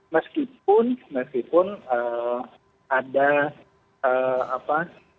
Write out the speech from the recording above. meskipun meskipun ada apa